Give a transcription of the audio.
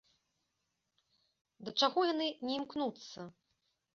Да чаго яны не імкнуцца?